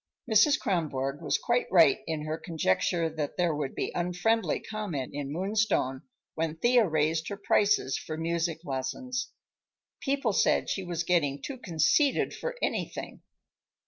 Mrs. Kronborg was quite right in her conjecture that there would be unfriendly comment in Moonstone when Thea raised her prices for music lessons. People said she was getting too conceited for anything.